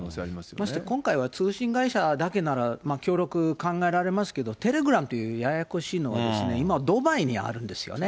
まして今回は通信会社だけなら、協力考えられますけど、テレグラムというややこしいのが、今、ドバイにあるんですよね。